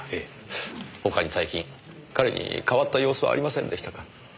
他に最近彼に変わった様子はありませんでしたか？